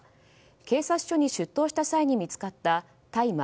警察署に出頭した際に見つかった大麻